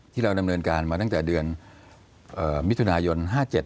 เราดำเนินการมาตั้งแต่เดือนมิถุนายน๕๗